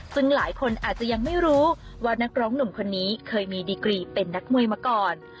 ซึ่งหลายคนอาจจะยังไม่รู้ว่านักร้องหนุ่มคนนี้เคยมีดีกรีเป็นนักมวยมาก่อน